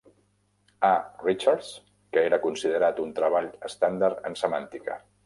A. Richards, que era considerat un treball estàndard en semàntica.